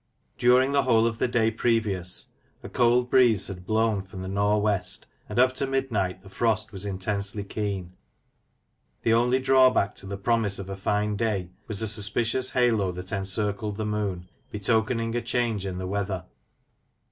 During the whole of the day previous, a cold breeze had blown from the nor' west, and up to midnight the frost was intensely keen. The only drawback to the promise of a fine day, was a suspicious halo that encircled the moon, betoken ing a change in the weather.